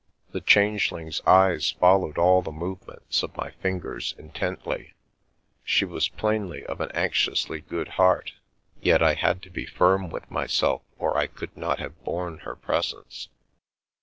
The Changeling's eyes fol lowed all the movements of my fingers intently. She was plainly of an anxiously good heart, yet I had to be firm with myself or I could not have borne her presence.